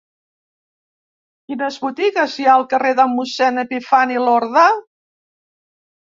Quines botigues hi ha al carrer de Mossèn Epifani Lorda?